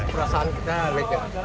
perasaan kita lega